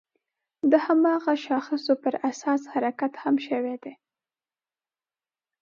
د هماغه شاخصو پر اساس حرکت هم شوی دی.